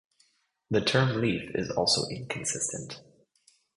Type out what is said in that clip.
The term leaf is also inconsistent.